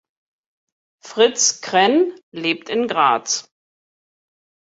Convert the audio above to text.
Fritz Krenn lebt in Graz.